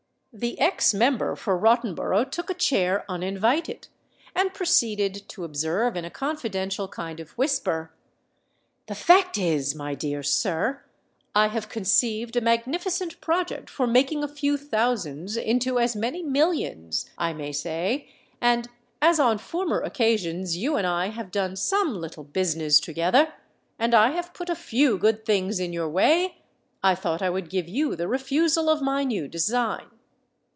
The ex member for Rottenborough took a chair uninvited, and proceeded to observe in a confidential kind of whisper,—"The fact is, my dear sir, I have conceived a magnificent project for making a few thousands into as many millions, I may say; and as on former occasions you and I have done some little business together—and I have put a few good things in your way—I thought I would give you the refusal of my new design."